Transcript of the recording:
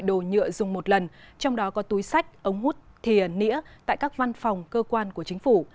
đồ nhựa dùng một lần trong đó có túi sách ống hút thìa nĩa tại các văn phòng cơ quan của chính phủ